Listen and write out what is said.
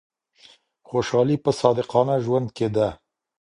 خوشحالي په صادقانه ژوند کي ده.